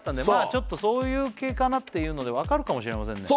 ちょっとそういう系かなっていうのでわかるかもしれませんね